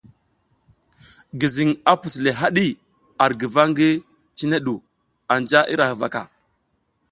Gizing a a pus le hadi ar guva ngi, cine du anja ira huvaka.